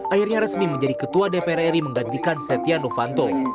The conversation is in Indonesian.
akhirnya resmi menjadi ketua dpr ri menggantikan setia novanto